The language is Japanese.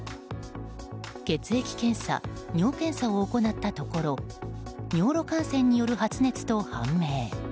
血液検査、尿検査を行ったところ尿路感染による発熱と判明。